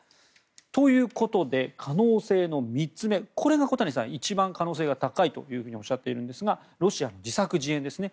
ということで、可能性の３つ目これが、小谷さんは一番可能性が高いとおっしゃっているんですがロシアの自作自演ですね。